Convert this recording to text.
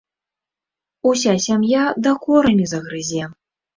Уся сям'я дакорамі загрызе.